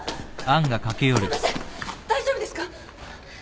大丈夫ですか？